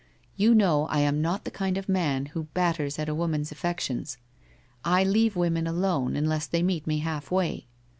You know I am not the kind of man who batters at a woman's affections. I leave women alone, un less they meet me half way.